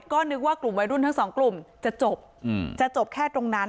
ก็นึกว่ากลุ่มวัยรุ่นทั้งสองกลุ่มจะจบจะจบแค่ตรงนั้น